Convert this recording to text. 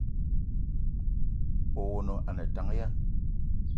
Owono a ne tank ya ?